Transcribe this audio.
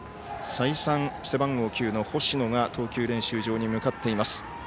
再三、背番号９の星野が投球練習場に向かっています